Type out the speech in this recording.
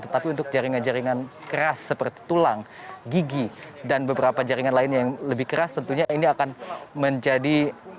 tetapi untuk jaringan jaringan keras seperti tulang gigi dan beberapa jaringan lain yang lebih keras tentunya ini akan menjadi